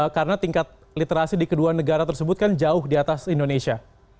karena tingkat literasi di kedua negara tersebut kan jauh di atas indonesia